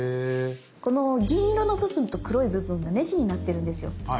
この銀色の部分と黒い部分がねじになってるんですよ。